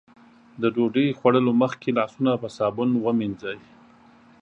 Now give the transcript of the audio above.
د ډوډۍ خوړلو مخکې لاسونه په صابون ومينځئ.